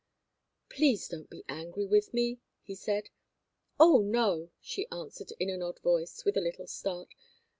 "Please don't be angry with me!" he said. "Oh, no!" she answered, in an odd voice, with a little start.